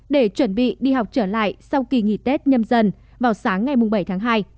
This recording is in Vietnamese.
để chuẩn bị đi học trở lại sau kỳ nghỉ tết nhâm dần vào sáng ngày bảy tháng hai